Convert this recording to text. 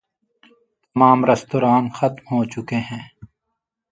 تمام ریستوران ختم ہو چکے ہیں۔